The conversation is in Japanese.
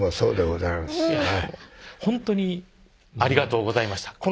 うんほんとにありがとうございました